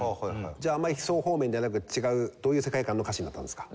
じゃああんまり悲愴方面ではなく違うどういう世界観の歌詞になったんですか？